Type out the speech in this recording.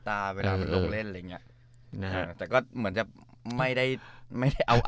แต่ก็เหมือนจะไม่ได้เอาอัน